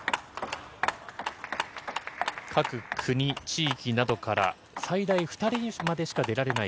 各国、地域などから最大２人までしか出られない